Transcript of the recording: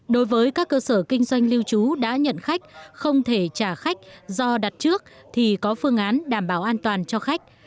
đối với các cơ sở kinh doanh lưu trú đã nhận khách không thể trả khách do đặt trước thì có phương án đảm bảo an toàn cho khách